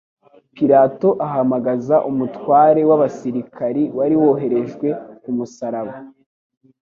Pilato ahamagaza umutware w'abasirikari wari woherejwe ku musaraba,